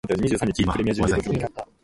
今、技に…。